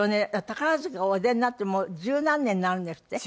宝塚お出になってもう十何年になるんですって？